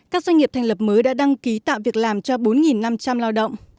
các doanh nghiệp thành lập mới đã đăng ký tạo việc làm cho bốn năm trăm linh lao động